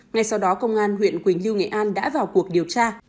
ngay sau đó công an huyện quỳnh lưu nghệ an đã vào cuộc điều tra